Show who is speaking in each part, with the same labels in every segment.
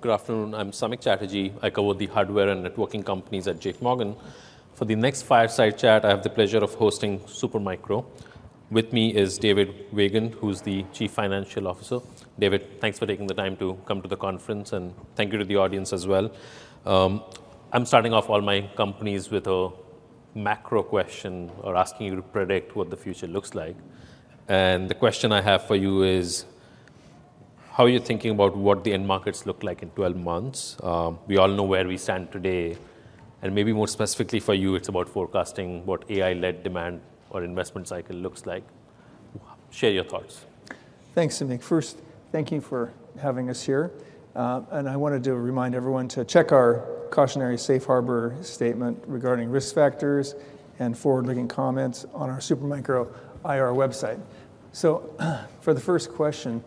Speaker 1: Good afternoon, I'm Samik Chatterjee. I cover the hardware and networking companies at J.P. Morgan. For the next fireside chat, I have the pleasure of hosting Supermicro. With me is David Weigand, who's the Chief Financial Officer. David, thanks for taking the time to come to the conference, and thank you to the audience as well. I'm starting off all my companies with a macro question, or asking you to predict what the future looks like. The question I have for you is, how are you thinking about what the end markets look like in 12 months? We all know where we stand today, and maybe more specifically for you, it's about forecasting what AI-led demand or investment cycle looks like. Share your thoughts.
Speaker 2: Thanks, Samik. First, thank you for having us here. And I wanted to remind everyone to check our cautionary safe harbor statement regarding risk factors and forward-looking comments on our Supermicro IR website. So, for the first question,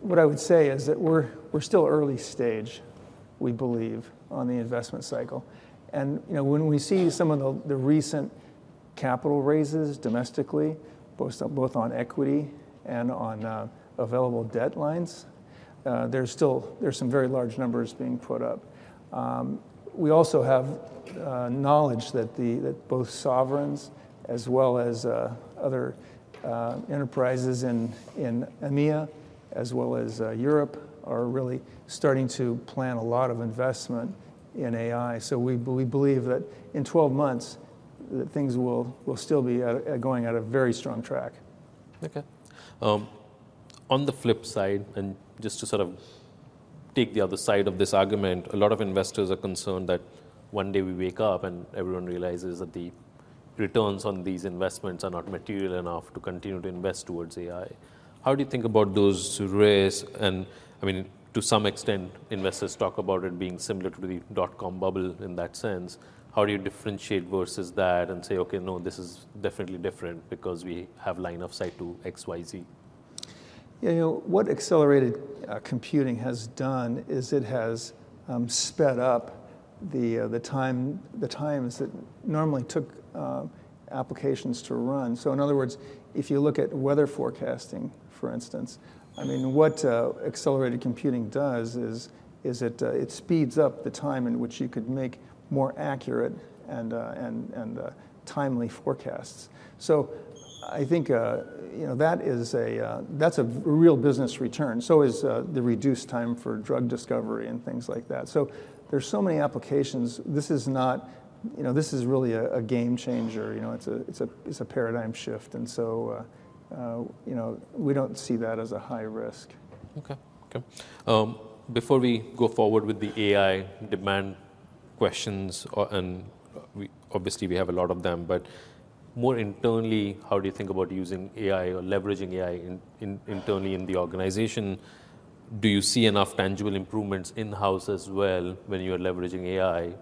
Speaker 2: what I would say is that we're still early stage, we believe, on the investment cycle. And, you know, when we see some of the recent capital raises domestically, both on equity and on available debt lines, there's still some very large numbers being put up. We also have knowledge that both sovereigns as well as other enterprises in EMEA, as well as Europe, are really starting to plan a lot of investment in AI. So we believe that in 12 months, things will still be going at a very strong track.
Speaker 1: Okay. On the flip side, and just to sort of take the other side of this argument, a lot of investors are concerned that one day we wake up, and everyone realizes that the returns on these investments are not material enough to continue to invest towards AI. How do you think about those risks? And I mean, to some extent, investors talk about it being similar to the dot-com bubble in that sense. How do you differentiate versus that and say, "Okay, no, this is definitely different because we have line of sight to XYZ?
Speaker 2: Yeah, you know, what accelerated computing has done is it has sped up the time, the times that normally took applications to run. So in other words, if you look at weather forecasting, for instance, I mean, what accelerated computing does is it speeds up the time in which you could make more accurate and timely forecasts. So I think, you know, that is a... That's a real business return, so is the reduced time for drug discovery and things like that. So there's so many applications, this is not, you know, this is really a game changer, you know, it's a, it's a, it's a paradigm shift. And so, you know, we don't see that as a high risk.
Speaker 1: Okay. Okay. Before we go forward with the AI demand questions, and we obviously have a lot of them, but more internally, how do you think about using AI or leveraging AI internally in the organization? Do you see enough tangible improvements in-house as well when you are leveraging AI?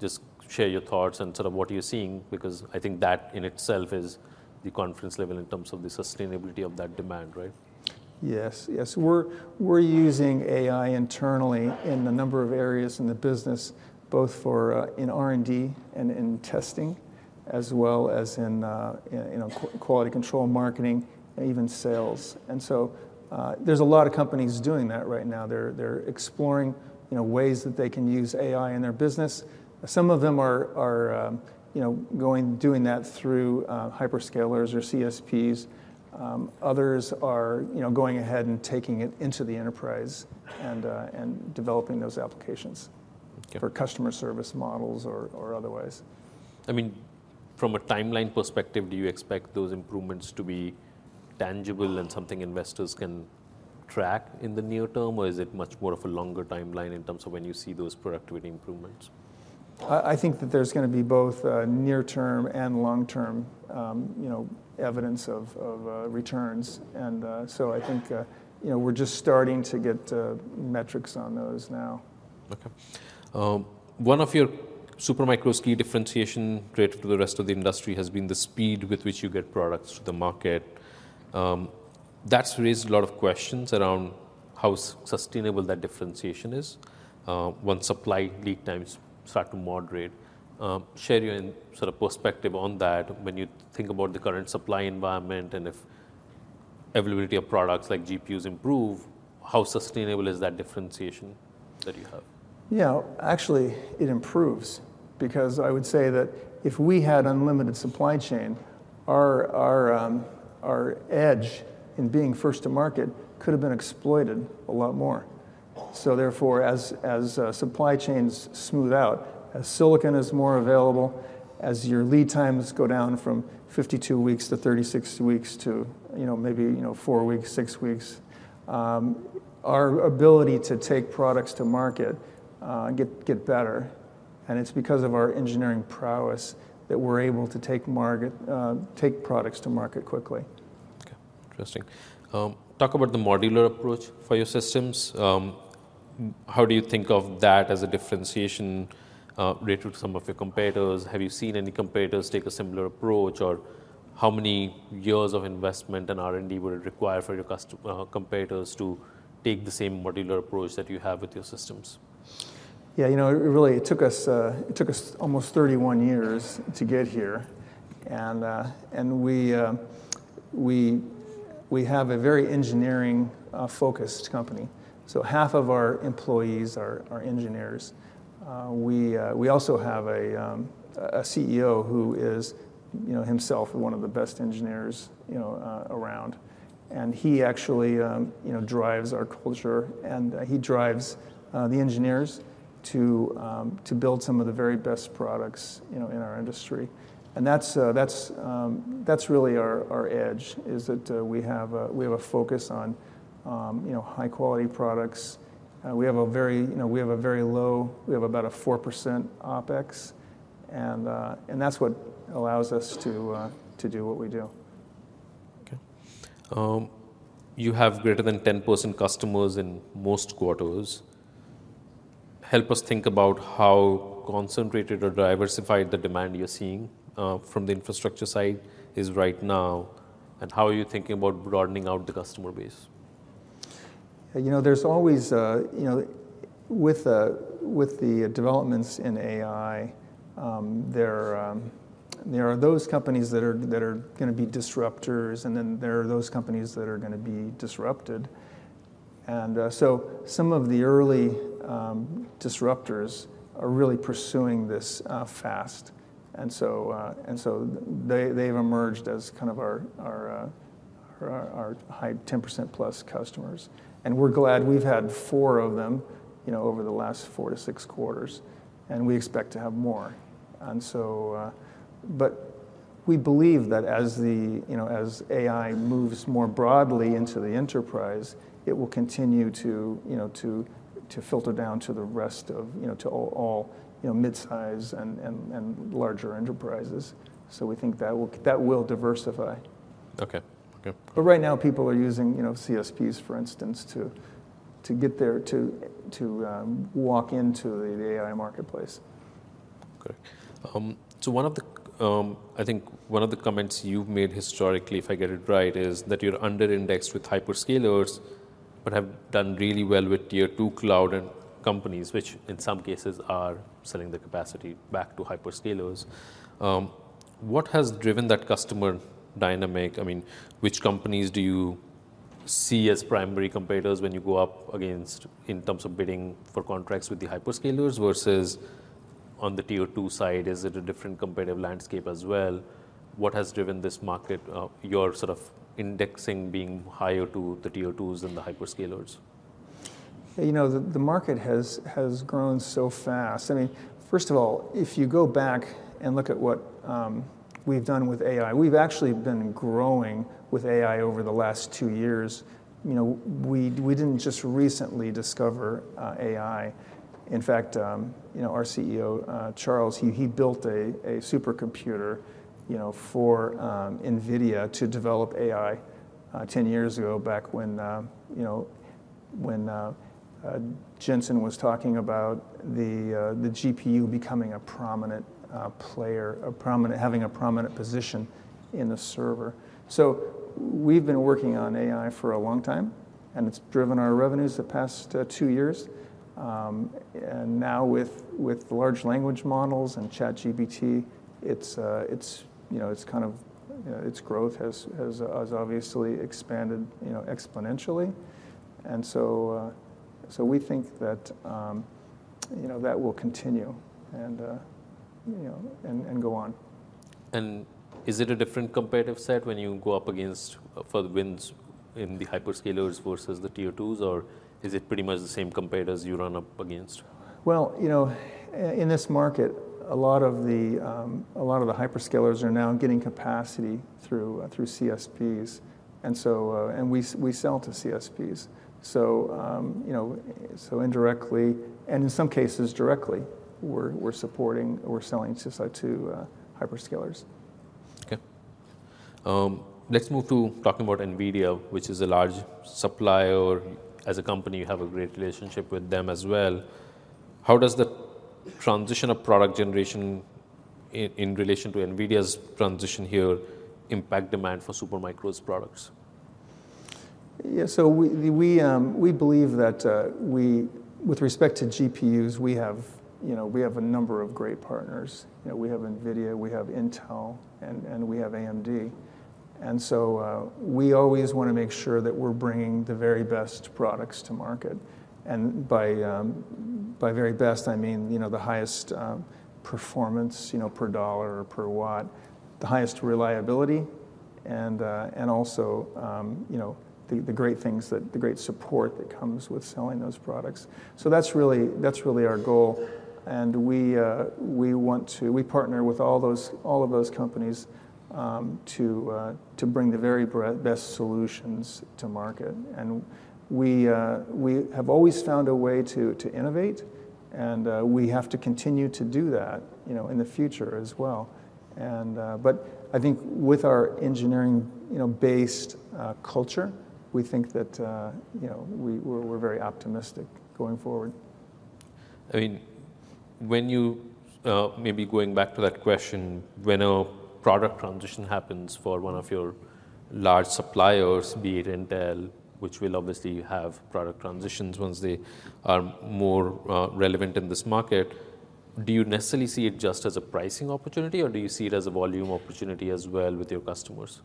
Speaker 1: Just share your thoughts and sort of what you're seeing, because I think that in itself is the confidence level in terms of the sustainability of that demand, right?
Speaker 2: Yes, yes. We're using AI internally in a number of areas in the business, both for in R&D and in testing, as well as in you know quality control, marketing, and even sales. And so, there's a lot of companies doing that right now. They're exploring you know ways that they can use AI in their business. Some of them are doing that through hyperscalers or CSPs. Others are you know going ahead and taking it into the enterprise and developing those applications-
Speaker 1: Okay...
Speaker 2: for customer service models or otherwise.
Speaker 1: I mean, from a timeline perspective, do you expect those improvements to be tangible and something investors can track in the near term? Or is it much more of a longer timeline in terms of when you see those productivity improvements?
Speaker 2: I think that there's gonna be both, near-term and long-term, you know, evidence of returns. And so I think, you know, we're just starting to get metrics on those now.
Speaker 1: Okay. One of Supermicro's key differentiation relative to the rest of the industry has been the speed with which you get products to the market. That's raised a lot of questions around how sustainable that differentiation is, when supply lead times start to moderate. Share your sort of perspective on that when you think about the current supply environment, and if availability of products like GPUs improve, how sustainable is that differentiation that you have?
Speaker 2: You know, actually, it improves, because I would say that if we had unlimited supply chain, our edge in being first to market could have been exploited a lot more. So therefore, as supply chains smooth out, as silicon is more available, as your lead times go down from 52 weeks to 36 weeks to, you know, maybe, you know, 4 weeks, 6 weeks, our ability to take products to market gets better, and it's because of our engineering prowess that we're able to take products to market quickly.
Speaker 1: Okay, interesting. Talk about the modular approach for your systems. How do you think of that as a differentiation, relative to some of your competitors? Have you seen any competitors take a similar approach, or how many years of investment and R&D would it require for your competitors to take the same modular approach that you have with your systems?...
Speaker 2: Yeah, you know, it really, it took us almost 31 years to get here. And we have a very engineering focused company, so half of our employees are engineers. We also have a CEO who is, you know, himself one of the best engineers, you know, around. And he actually, you know, drives our culture, and he drives the engineers to build some of the very best products, you know, in our industry. And that's really our edge, is that we have a focus on, you know, high-quality products. We have a very low, you know, OpEx. We have about 4%, and that's what allows us to do what we do.
Speaker 1: Okay. You have greater than 10% customers in most quarters. Help us think about how concentrated or diversified the demand you're seeing from the infrastructure side is right now, and how are you thinking about broadening out the customer base?
Speaker 2: You know, there's always... You know, with the developments in AI, there are those companies that are gonna be disruptors, and then there are those companies that are gonna be disrupted. So some of the early disruptors are really pursuing this fast. And so they, they've emerged as kind of our high 10%+ customers, and we're glad. We've had four of them, you know, over the last four to six quarters, and we expect to have more. But we believe that as AI moves more broadly into the enterprise, it will continue to filter down to the rest of all midsize and larger enterprises. We think that will, that will diversify.
Speaker 1: Okay. Okay.
Speaker 2: But right now, people are using, you know, CSPs, for instance, to walk into the AI marketplace.
Speaker 1: Okay. So one of the, I think one of the comments you've made historically, if I get it right, is that you're under-indexed with hyperscalers, but have done really well with Tier 2 cloud and companies, which in some cases are selling the capacity back to hyperscalers. What has driven that customer dynamic? I mean, which companies do you see as primary competitors when you go up against in terms of bidding for contracts with the hyperscalers versus on the Tier 2 side? Is it a different competitive landscape as well? What has driven this market, your sort of indexing being higher to the Tier 2s than the hyperscalers?
Speaker 2: You know, the market has grown so fast. I mean, first of all, if you go back and look at what we've done with AI, we've actually been growing with AI over the last two years. You know, we didn't just recently discover AI. In fact, you know, our CEO, Charles, he built a supercomputer, you know, for NVIDIA to develop AI, 10 years ago, back when you know, when Jensen was talking about the GPU becoming a prominent player, having a prominent position in the server. So we've been working on AI for a long time, and it's driven our revenues the past two years. And now with large language models and ChatGPT, it's, you know, it's kind of its growth has obviously expanded, you know, exponentially. And so, so we think that, you know, that will continue and, you know, and go on.
Speaker 1: Is it a different competitive set when you go up against for the wins in the hyperscalers versus the Tier 2s, or is it pretty much the same competitors you run up against?
Speaker 2: Well, you know, in this market, a lot of the hyperscalers are now getting capacity through CSPs, and so, and we sell to CSPs. So, you know, so indirectly, and in some cases directly, we're supporting, we're selling CSPs to hyperscalers.
Speaker 1: Okay. Let's move to talking about NVIDIA, which is a large supplier. As a company, you have a great relationship with them as well. How does the transition of product generation in relation to NVIDIA's transition here impact demand for Supermicro products?
Speaker 2: Yeah, so we believe that, with respect to GPUs, we have, you know, we have a number of great partners. You know, we have NVIDIA, we have Intel, and we have AMD. And so, we always wanna make sure that we're bringing the very best products to market. And by very best, I mean, you know, the highest performance, you know, per dollar or per watt, the highest reliability, and also, you know, the great things that, the great support that comes with selling those products. So that's really our goal, and we want to partner with all those, all of those companies, to bring the very best solutions to market. And we have always found a way to innovate, and we have to continue to do that, you know, in the future as well. But I think with our engineering, you know, based culture, we think that, you know, we're very optimistic going forward....
Speaker 1: when you, maybe going back to that question, when a product transition happens for one of your large suppliers, be it Intel, which will obviously have product transitions once they are more, relevant in this market, do you necessarily see it just as a pricing opportunity, or do you see it as a volume opportunity as well with your customers?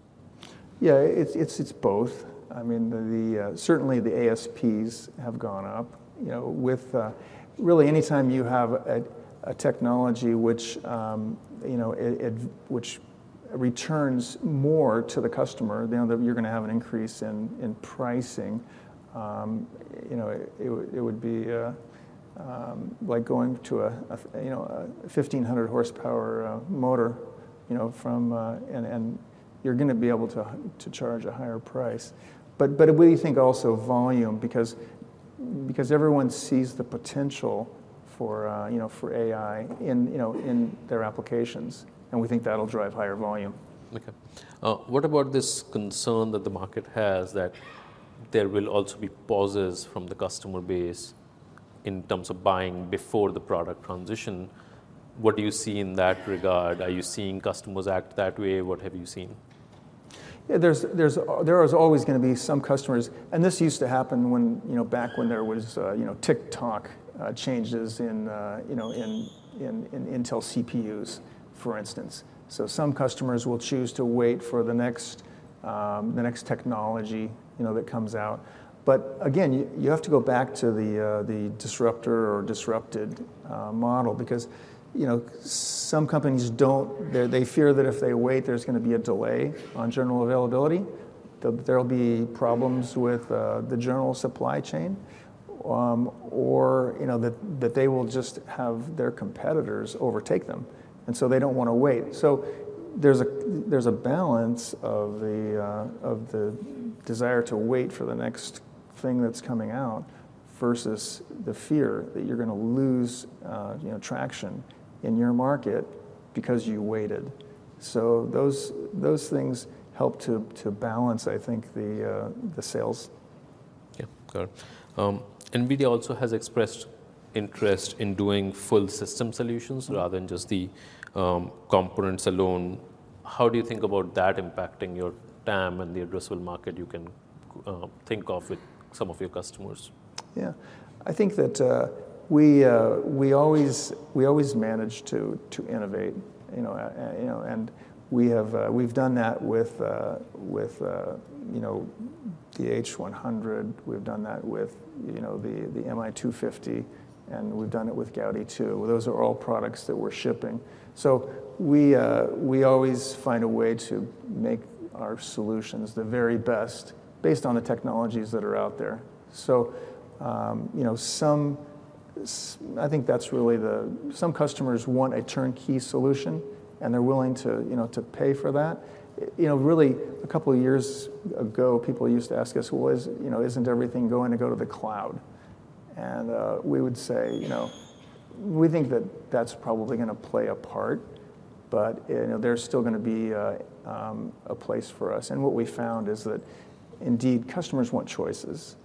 Speaker 2: Yeah, it's both. I mean, certainly the ASPs have gone up, you know, with-- Really, anytime you have a technology which, you know, which returns more to the customer, then you're gonna have an increase in pricing. You know, it would be like going to a, you know, a 1500 horsepower motor, you know, from... And you're gonna be able to charge a higher price. But we think also volume, because everyone sees the potential for, you know, for AI in, you know, in their applications, and we think that'll drive higher volume.
Speaker 1: Okay. What about this concern that the market has, that there will also be pauses from the customer base in terms of buying before the product transition? What do you see in that regard? Are you seeing customers act that way? What have you seen?
Speaker 2: Yeah, there is always gonna be some customers. And this used to happen when, you know, back when there was, you know, tick-tock changes in, you know, in Intel CPUs, for instance. So some customers will choose to wait for the next technology, you know, that comes out. But again, you have to go back to the disruptor or disrupted model, because, you know, some companies don't. They fear that if they wait, there's gonna be a delay on general availability, there'll be problems with the general supply chain, or, you know, that they will just have their competitors overtake them, and so they don't wanna wait. So there's a balance of the desire to wait for the next thing that's coming out, versus the fear that you're gonna lose, you know, traction in your market because you waited. So those things help to balance, I think, the sales.
Speaker 1: Yeah, got it. NVIDIA also has expressed interest in doing full system solutions-
Speaker 2: Mm.
Speaker 1: rather than just the components alone. How do you think about that impacting your TAM and the addressable market you can think of with some of your customers?
Speaker 2: Yeah. I think that we always manage to innovate, you know, and we've done that with you know the H100. We've done that with you know the MI250, and we've done it with Gaudi 2. Those are all products that we're shipping. So we always find a way to make our solutions the very best, based on the technologies that are out there. So, you know, some... I think that's really the—Some customers want a turnkey solution, and they're willing to, you know, to pay for that. You know, really, a couple of years ago, people used to ask us: "Well, you know, isn't everything going to go to the cloud?" And we would say, "You know, we think that that's probably gonna play a part, but, you know, there's still gonna be a place for us." And what we found is that indeed, customers want choices,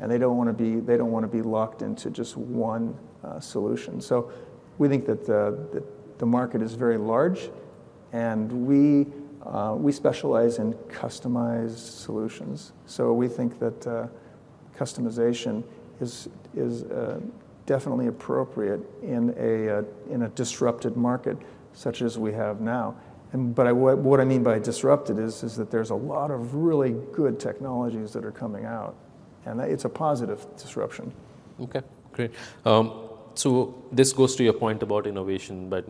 Speaker 2: and they don't wanna be, they don't wanna be locked into just one solution. So we think that the market is very large, and we specialize in customized solutions. So we think that customization is definitely appropriate in a disrupted market such as we have now. But what I mean by disrupted is that there's a lot of really good technologies that are coming out, and that it's a positive disruption.
Speaker 1: Okay, great. So this goes to your point about innovation, but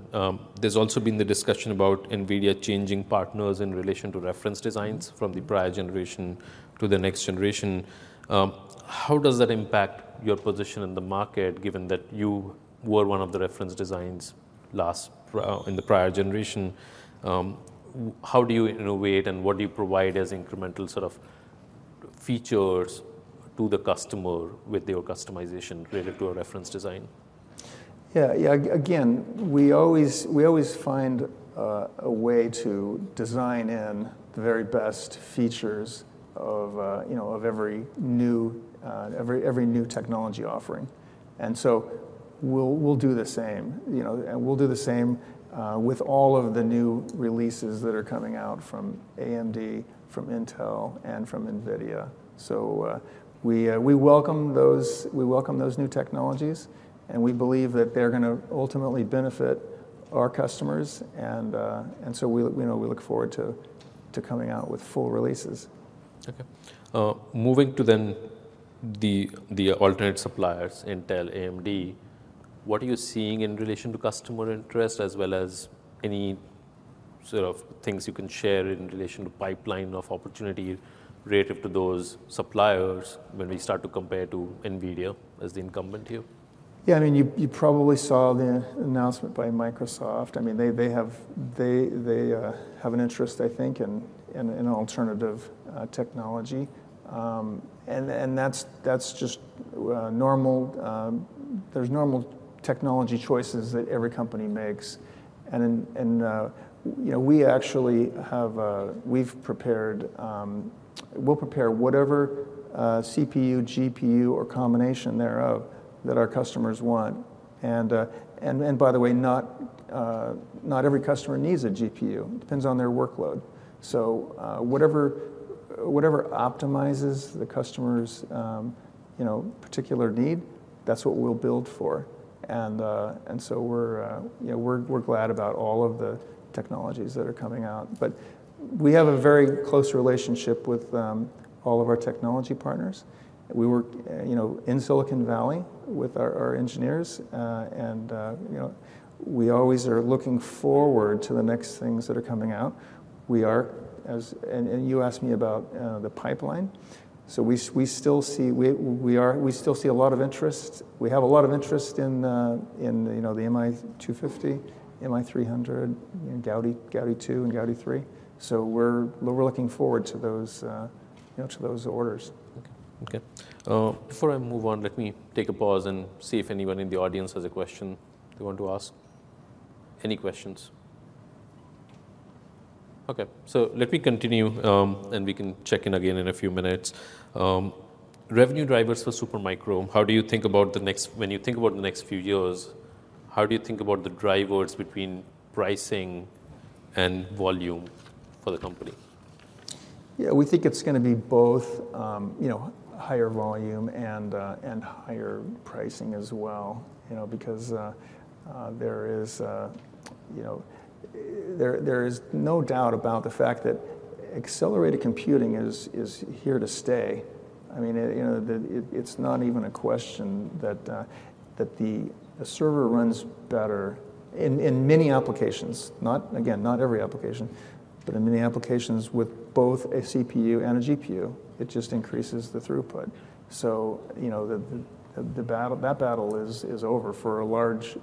Speaker 1: there's also been the discussion about NVIDIA changing partners in relation to reference designs from the prior generation to the next generation. How does that impact your position in the market, given that you were one of the reference designs last in the prior generation? How do you innovate, and what do you provide as incremental sort of features to the customer with your customization related to a reference design?
Speaker 2: Yeah, yeah. Again, we always, we always find a way to design in the very best features of, you know, of every new, every, every new technology offering. And so we'll, we'll do the same, you know, and we'll do the same with all of the new releases that are coming out from AMD, from Intel, and from NVIDIA. So, we, we welcome those, we welcome those new technologies, and we believe that they're gonna ultimately benefit our customers, and, and so we, you know, we look forward to, to coming out with full releases.
Speaker 1: Okay. Moving to then the alternate suppliers, Intel, AMD, what are you seeing in relation to customer interest, as well as any sort of things you can share in relation to pipeline of opportunity relative to those suppliers when we start to compare to NVIDIA as the incumbent here?
Speaker 2: Yeah, I mean, you probably saw the announcement by Microsoft. I mean, they have an interest, I think, in alternative technology. And that's just normal, there's normal technology choices that every company makes. And then, you know, we actually have, we've prepared. We'll prepare whatever CPU, GPU, or combination thereof that our customers want. And by the way, not every customer needs a GPU, depends on their workload. So, whatever optimizes the customer's, you know, particular need, that's what we'll build for. And so we're, you know, we're glad about all of the technologies that are coming out. But we have a very close relationship with all of our technology partners. We work, you know, in Silicon Valley with our engineers, and, you know, we always are looking forward to the next things that are coming out. And you asked me about the pipeline, so we still see a lot of interest. We have a lot of interest in, you know, the MI250, MI300, you know, Gaudi, Gaudi 2, and Gaudi 3. So we're looking forward to those, you know, to those orders.
Speaker 1: Okay. Before I move on, let me take a pause and see if anyone in the audience has a question they want to ask. Any questions? Okay, so let me continue, and we can check in again in a few minutes. Revenue drivers for Supermicro, how do you think about the next—when you think about the next few years, how do you think about the drivers between pricing and volume for the company?
Speaker 2: Yeah, we think it's gonna be both, you know, higher volume and higher pricing as well. You know, because there is, you know, there is no doubt about the fact that accelerated computing is here to stay. I mean, you know, it's not even a question that a server runs better in many applications, not, again, not every application, but in many applications with both a CPU and a GPU, it just increases the throughput. So, you know, the battle is over for a large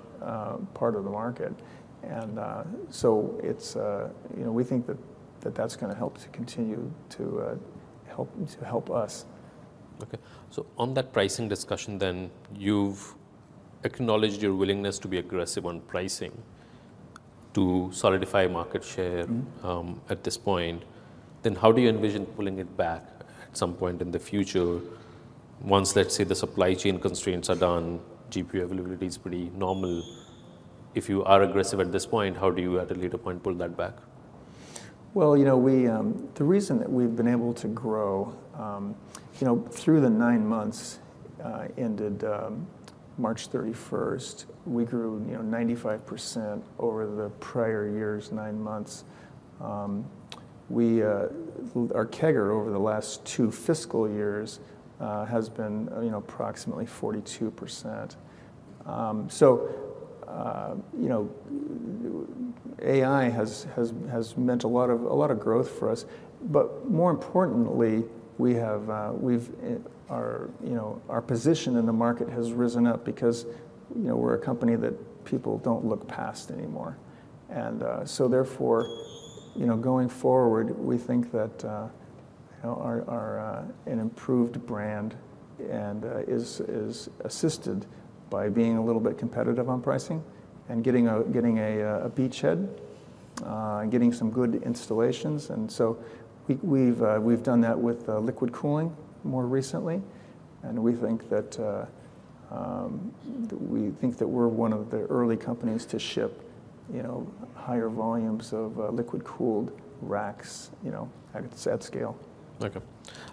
Speaker 2: part of the market. And so it's. You know, we think that that's gonna help to continue to help us.
Speaker 1: Okay. So on that pricing discussion then, you've acknowledged your willingness to be aggressive on pricing to solidify market share-
Speaker 2: Mm-hmm.
Speaker 1: At this point. Then how do you envision pulling it back at some point in the future? Once, let's say, the supply chain constraints are done, GPU availability is pretty normal. If you are aggressive at this point, how do you, at a later point, pull that back?
Speaker 2: Well, you know, we, the reason that we've been able to grow, you know, through the nine months ended March thirty-first, we grew, you know, 95% over the prior year's nine months. We, our CAGR over the last two fiscal years has been, you know, approximately 42%. So, you know, AI has meant a lot of, a lot of growth for us, but more importantly, we have, we've, our, you know, our position in the market has risen up because, you know, we're a company that people don't look past anymore. So therefore, you know, going forward, we think that, you know, our improved brand is assisted by being a little bit competitive on pricing and getting a beachhead, getting some good installations. So we've done that with liquid cooling more recently, and we think that we're one of the early companies to ship, you know, higher volumes of liquid-cooled racks, you know, at scale.
Speaker 1: Okay.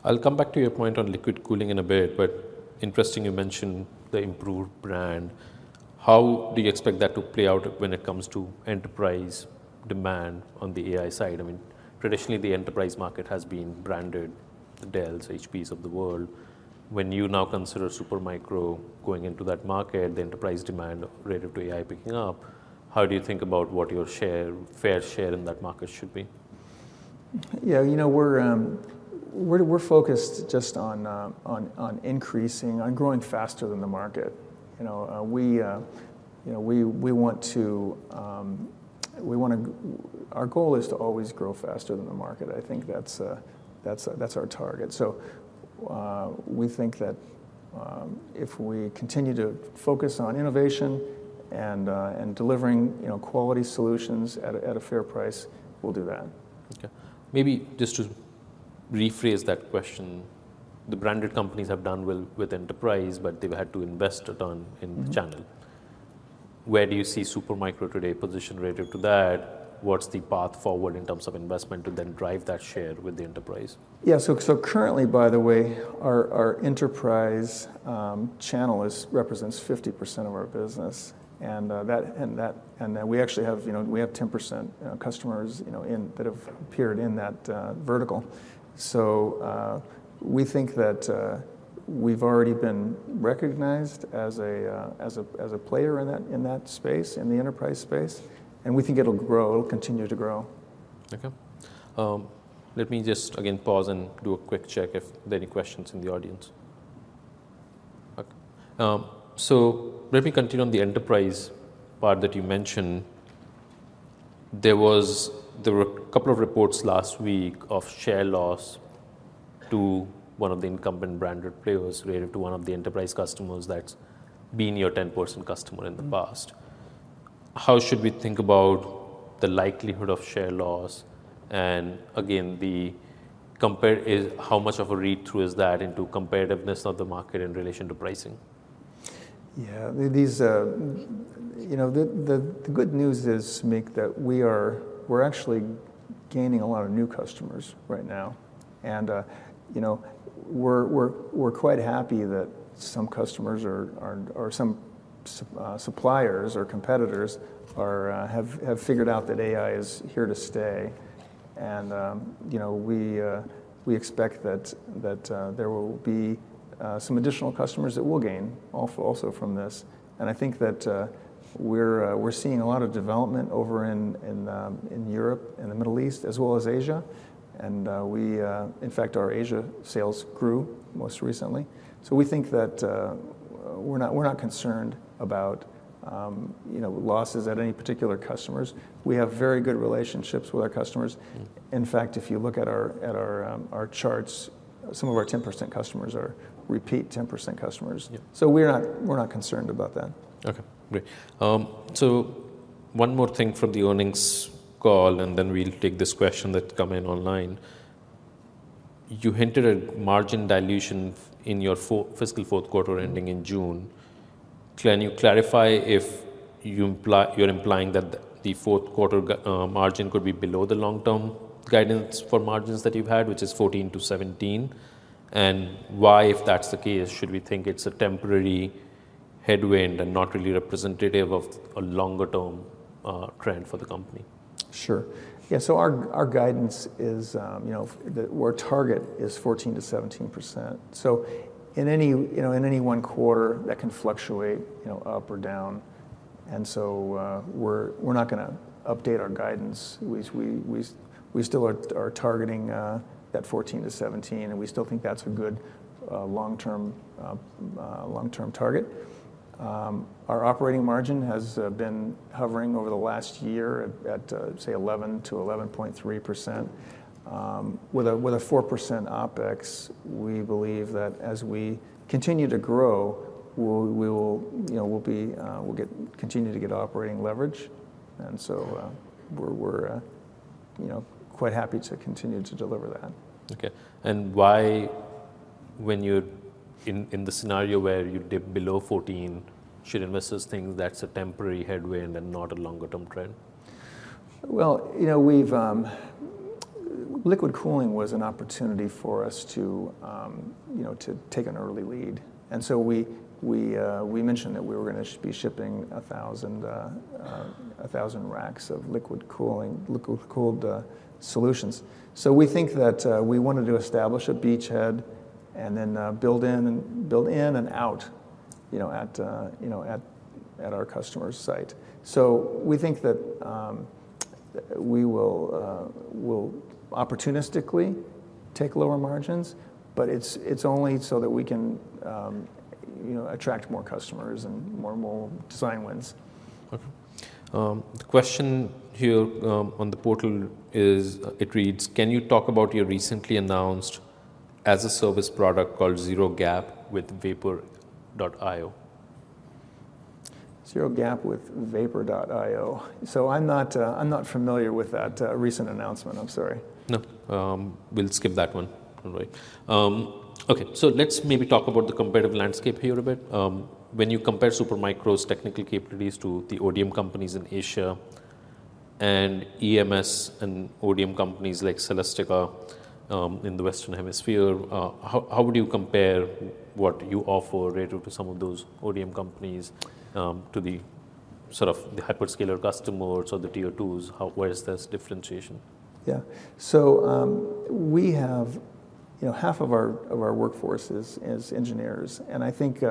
Speaker 1: I'll come back to your point on liquid cooling in a bit, but interesting you mentioned the improved brand. How do you expect that to play out when it comes to enterprise demand on the AI side? I mean, traditionally, the enterprise market has been branded the Dells, HPs of the world. When you now consider Supermicro going into that market, the enterprise demand relative to AI picking up, how do you think about what your share, fair share in that market should be?
Speaker 2: Yeah, you know, we're focused just on growing faster than the market. You know, we want to, we wanna... Our goal is to always grow faster than the market. I think that's our target. So, we think that, if we continue to focus on innovation and delivering, you know, quality solutions at a fair price, we'll do that.
Speaker 1: Okay. Maybe just to rephrase that question, the branded companies have done well with enterprise, but they've had to invest a ton in the channel.
Speaker 2: Mm-hmm.
Speaker 1: Where do you see Supermicro today positioned relative to that? What's the path forward in terms of investment to then drive that share with the enterprise?
Speaker 2: Yeah, so currently, by the way, our enterprise channel represents 50% of our business, and then we actually have, you know, we have 10% customers, you know, in that have appeared in that vertical. So, we think that we've already been recognized as a player in that space, in the enterprise space, and we think it'll grow, it'll continue to grow.
Speaker 1: Okay. Let me just, again, pause and do a quick check if there are any questions in the audience. Okay, so let me continue on the enterprise part that you mentioned. There were a couple of reports last week of share loss to one of the incumbent branded players relative to one of the enterprise customers that's been your 10% customer in the past.... How should we think about the likelihood of share loss? And again, the compare is, how much of a read-through is that into competitiveness of the market in relation to pricing?
Speaker 2: Yeah, these, you know, the good news is, Samik, that we are-- we're actually gaining a lot of new customers right now. And, you know, we're quite happy that some customers are or some suppliers or competitors are have figured out that AI is here to stay. And, you know, we expect that there will be some additional customers that we'll gain also from this. And I think that we're seeing a lot of development over in Europe and the Middle East, as well as Asia. And, we... In fact, our Asia sales grew most recently. So we think that we're not concerned about, you know, losses at any particular customers. We have very good relationships with our customers.
Speaker 1: Mm.
Speaker 2: In fact, if you look at our charts, some of our 10% customers are repeat 10% customers.
Speaker 1: Yeah.
Speaker 2: We're not, we're not concerned about that.
Speaker 1: Okay, great. So one more thing from the earnings call, and then we'll take this question that come in online. You hinted at margin dilution in your fiscal fourth quarter, ending in June. Can you clarify if you imply, you're implying that the fourth quarter margin could be below the long-term guidance for margins that you've had, which is 14%-17%? And why, if that's the case, should we think it's a temporary headwind and not really representative of a longer-term trend for the company?
Speaker 2: Sure. Yeah, so our guidance is, you know. Our target is 14%-17%. So in any, you know, in any one quarter, that can fluctuate, you know, up or down, and so, we're not gonna update our guidance. We still are targeting that 14%-17%, and we still think that's a good long-term target. Our operating margin has been hovering over the last year at, say, 11%-11.3%. With a 4% OpEx, we believe that as we continue to grow, we will, you know, continue to get operating leverage. And so, we're, you know, quite happy to continue to deliver that.
Speaker 1: Okay, and why, when you're in the scenario where you dip below 14, should investors think that's a temporary headwind and not a longer-term trend?
Speaker 2: Well, you know, we've liquid cooling was an opportunity for us to, you know, to take an early lead, and so we mentioned that we were gonna be shipping 1,000 racks of liquid cooling, liquid-cooled solutions. So we think that we wanted to establish a beachhead, and then build in and out, you know, at, you know, at our customer's site. So we think that we will opportunistically take lower margins, but it's only so that we can, you know, attract more customers and more and more design wins.
Speaker 1: Okay. The question here, on the portal is, it reads: Can you talk about your recently announced as a service product called Zero Gap with Vapor IO?
Speaker 2: Zero Gap with Vapor IO. So I'm not, I'm not familiar with that recent announcement. I'm sorry.
Speaker 1: No, we'll skip that one. All right. Okay, so let's maybe talk about the competitive landscape here a bit. When you compare Supermicro technical capabilities to the ODM companies in Asia and EMS and ODM companies like Celestica, in the Western Hemisphere, how, how would you compare what you offer relative to some of those ODM companies, to the sort of the hyperscaler customers or the tier twos? How, where is this differentiation?
Speaker 2: Yeah. So, we have, you know, half of our workforce is engineers, and I think,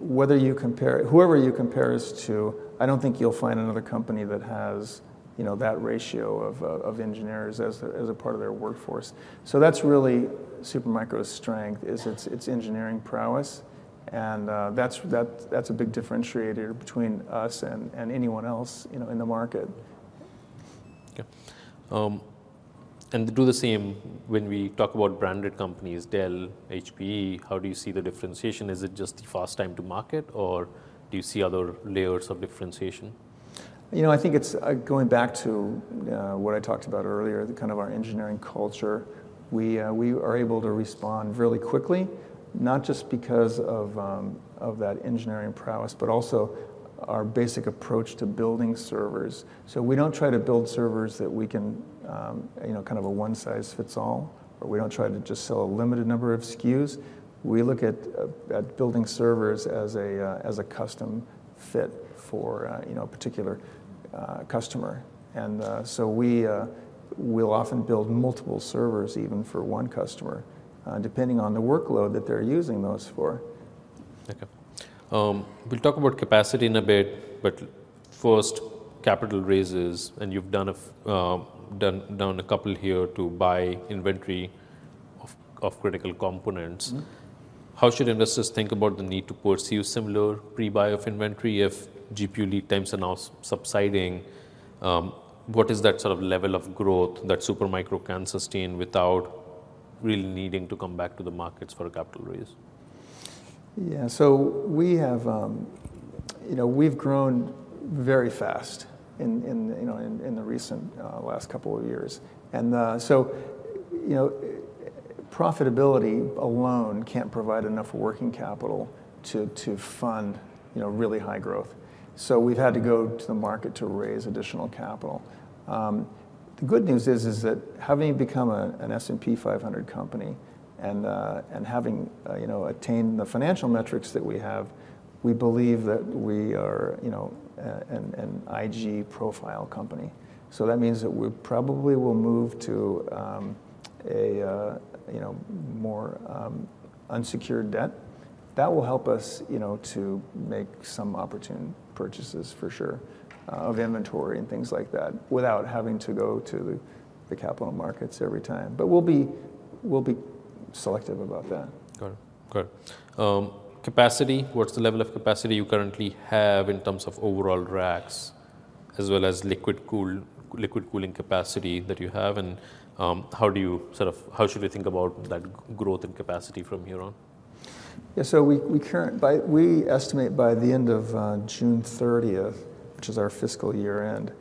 Speaker 2: whether whoever you compare us to, I don't think you'll find another company that has, you know, that ratio of engineers as a part of their workforce. So that's really Supermicro strength, is its engineering prowess, and that's a big differentiator between us and anyone else, you know, in the market.
Speaker 1: Okay. Do the same when we talk about branded companies, Dell, HPE, how do you see the differentiation? Is it just the fast time to market, or do you see other layers of differentiation?
Speaker 2: You know, I think it's going back to what I talked about earlier, the kind of our engineering culture. We, we are able to respond really quickly, not just because of, of that engineering prowess, but also our basic approach to building servers. So we don't try to build servers that we can, you know, kind of a one-size-fits-all, or we don't try to just sell a limited number of SKUs. We look at, at building servers as a, as a custom fit for, you know, a particular, customer. And, so we, we'll often build multiple servers even for one customer, depending on the workload that they're using those for.
Speaker 1: Okay. We'll talk about capacity in a bit, but first, capital raises, and you've done a couple here to buy inventory of critical components.
Speaker 2: Mm-hmm.
Speaker 1: How should investors think about the need to pursue similar pre-buy of inventory if GPU lead times are now subsiding? What is that sort of level of growth that Supermicro can sustain without really needing to come back to the markets for a capital raise? ...
Speaker 2: Yeah, so we have, you know, we've grown very fast in the recent last couple of years. So, you know, profitability alone can't provide enough working capital to fund, you know, really high growth. So we've had to go to the market to raise additional capital. The good news is that having become an S&P 500 company and having, you know, attained the financial metrics that we have, we believe that we are, you know, an IG profile company. So that means that we probably will move to a more unsecured debt. That will help us, you know, to make some opportune purchases for sure of inventory and things like that, without having to go to the capital markets every time. But we'll be, we'll be selective about that.
Speaker 1: Got it. Got it. Capacity, what's the level of capacity you currently have in terms of overall racks, as well as liquid cooling capacity that you have? And, how do you, sort of, how should we think about that growth and capacity from here on?
Speaker 2: Yeah, so we estimate by the end of June thirtieth, which is our fiscal year end,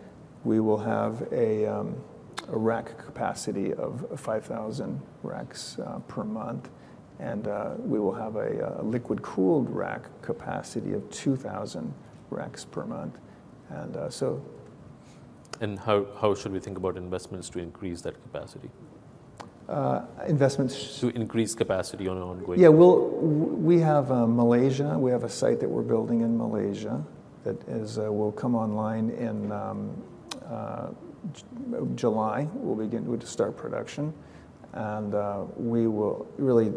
Speaker 2: we will have a rack capacity of 5,000 racks per month. And we will have a liquid-cooled rack capacity of 2,000 racks per month. And so-
Speaker 1: How, how should we think about investments to increase that capacity?
Speaker 2: Uh, investments-
Speaker 1: To increase capacity on an ongoing basis.
Speaker 2: Yeah, we have Malaysia, we have a site that we're building in Malaysia that will come online in July. We'll start production and we will really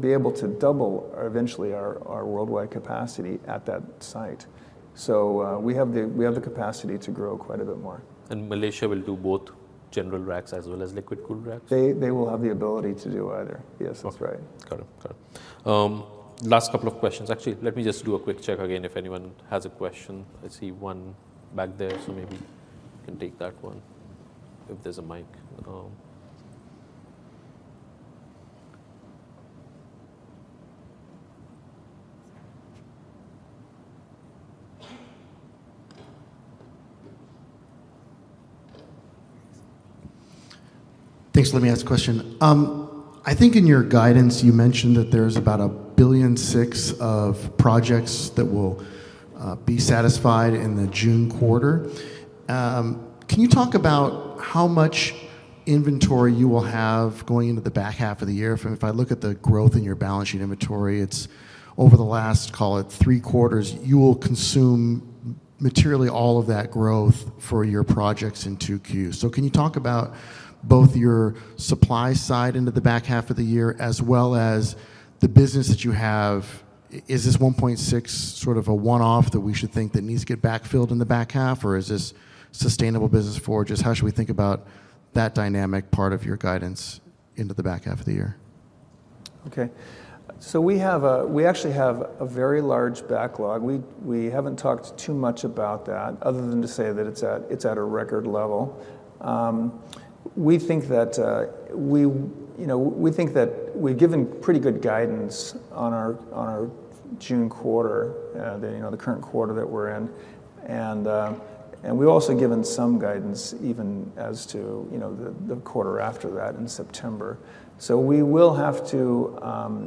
Speaker 2: be able to double our worldwide capacity eventually at that site. So, we have the capacity to grow quite a bit more.
Speaker 1: Malaysia will do both general racks as well as liquid-cooled racks?
Speaker 2: They will have the ability to do either. Yes, that's right.
Speaker 1: Okay. Got it. Got it. Last couple of questions. Actually, let me just do a quick check again, if anyone has a question. I see one back there, so maybe you can take that one, if there's a mic.
Speaker 3: Thanks for letting me ask a question. I think in your guidance, you mentioned that there's about $1.6 billion of projects that will be satisfied in the June quarter. Can you talk about how much inventory you will have going into the back half of the year? If I look at the growth in your balancing inventory, it's over the last, call it three quarters, you will consume materially all of that growth for your projects in two Qs. So can you talk about both your supply side into the back half of the year, as well as the business that you have? Is this $1.6 sort of a one-off that we should think that needs to get backfilled in the back half, or is this sustainable business for...? Just how should we think about that dynamic part of your guidance into the back half of the year?
Speaker 2: Okay. So we actually have a very large backlog. We haven't talked too much about that, other than to say that it's at a record level. We think that, you know, we think that we've given pretty good guidance on our June quarter, the current quarter that we're in. And we've also given some guidance even as to, you know, the quarter after that in September. So we will have to,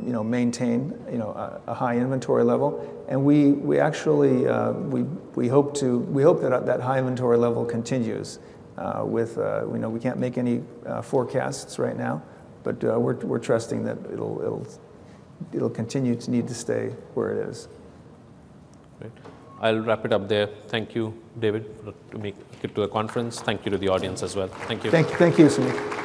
Speaker 2: you know, maintain a high inventory level. And we actually hope to—we hope that at that high inventory level continues with... You know, we can't make any forecasts right now, but we're trusting that it'll continue to need to stay where it is.
Speaker 1: Great. I'll wrap it up there. Thank you, David, for to make it to the conference. Thank you to the audience as well. Thank you.
Speaker 2: Thank you. Thank you, Samik.